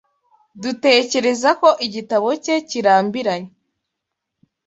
Dutekereza ko igitabo cye kirambiranye